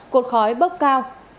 cột khói bốc cao